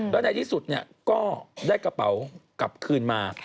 แล้วในที่สุดก็ได้กระเป๋ากลับคืนมา